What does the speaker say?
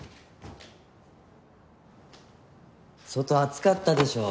外暑かったでしょ？